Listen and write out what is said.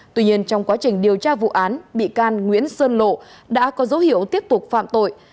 tuy nhiên trong quá trình điều tra vụ án bị can nguyễn sơn lộ đã có dấu hiệu tiếp tục phạm tội